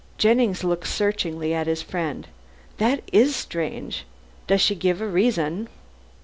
Jennings looked searchingly at his friend. "That is strange. Does she give no reason?"